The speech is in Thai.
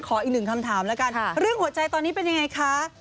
อีกหนึ่งคำถามแล้วกันเรื่องหัวใจตอนนี้เป็นยังไงคะ